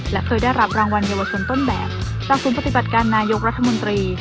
และเคยได้รับรางวัลเยาวชนต้นแบบจากศูนย์ปฏิบัติการนายกรัฐมนตรี